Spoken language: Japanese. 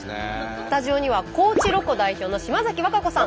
スタジオには高知ロコ代表の島崎和歌子さん。